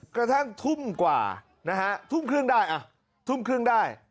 กระทั่งทุ่มกว่านะฮะทุ่มครึ่งได้อ่ะทุ่มครึ่งได้